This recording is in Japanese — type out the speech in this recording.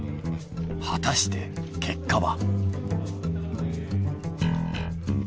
果たして結果は？